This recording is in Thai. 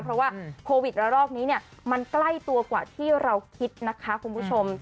เพราะว่าโควิดระลอกนี้เนี่ยมันใกล้ตัวกว่าที่เราคิดนะคะคุณผู้ชม